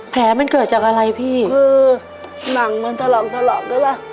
แผลมันเกิดจากอะไรพี่คือหนังมันถลอกถลอกด้วยป่ะ